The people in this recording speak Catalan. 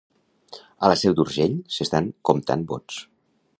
A la Seu d'Urgell s'estan comptant vots.